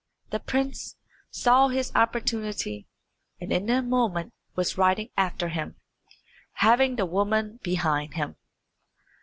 The prince saw his opportunity, and in a moment was riding after him, having the woman behind him.